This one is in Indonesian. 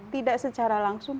tidak secara langsung